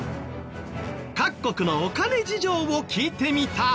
各国のお金事情を聞いてみた。